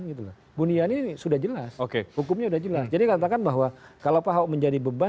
itu ya kita bahagia